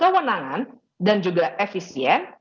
kewenangan dan juga efisien